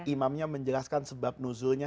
imamnya menjelaskan sebab nuzulnya